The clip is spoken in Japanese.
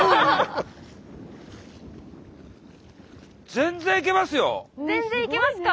全然行けますか？